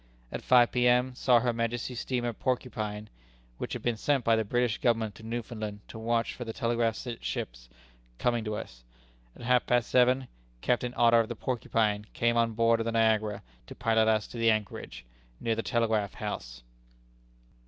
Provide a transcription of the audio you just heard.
At five P.M. saw Her Majesty's steamer Porcupine [which had been sent by the British Government to Newfoundland, to watch for the telegraph ships] coming to us. At half past seven, Captain Otter, of the Porcupine, came on board of the Niagara to pilot us to the anchorage, near the telegraph house.